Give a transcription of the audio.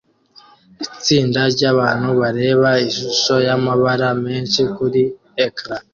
Itsinda ryabantu bareba ishusho yamabara menshi kuri ecran